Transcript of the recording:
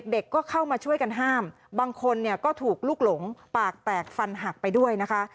เด็กก็เข้ามาช่วยกันห้ามบางคนเนี่ยก็ถูกลูกหลงปากแตกฟันหักไปด้วยนะคะ